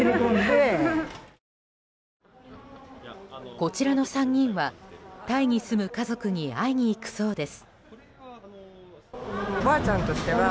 こちらの３人は、タイに住む家族に会いに行くそうです。